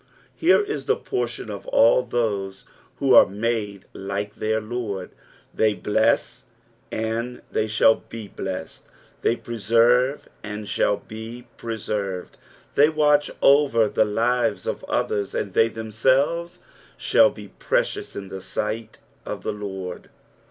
Here is the portion of all those who are made like their T;oid. they bless ind they shall be blessed, they preserve and shall be preserved, thej watch over the lives of others and they themselves shall be precious in the sight of the Lord.